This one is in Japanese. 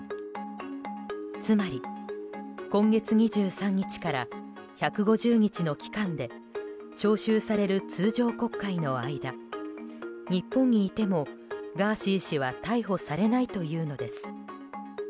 つまり、今月２３日から１５０日の期間で召集される通常国会の間日本にいてもガーシー氏は逮捕されないというのです。